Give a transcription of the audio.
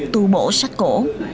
tu bổ sách cổ